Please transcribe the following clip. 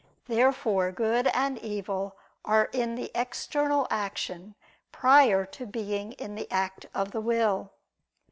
Therefore good and evil are in the external action, prior to being in the act of the will.